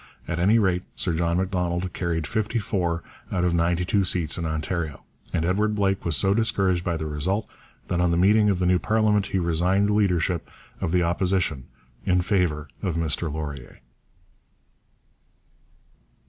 At any rate, Sir John Macdonald carried fifty four out of ninety two seats in Ontario; and Edward Blake was so discouraged by the result that on the meeting of the new parliament he resigned the leadership of the Opposition in favour of Mr Laurier.